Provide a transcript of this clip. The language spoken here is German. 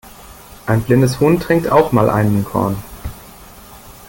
Ein blindes Huhn trinkt auch mal einen Korn.